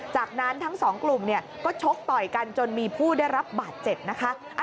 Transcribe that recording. จากนั้นทั้งสองกลุ่มก็ชกต่อยกันจนมีผู้ได้รับบาดเจ็บนะคะ